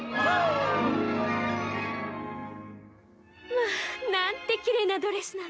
まあ、なんてきれいなドレスなの。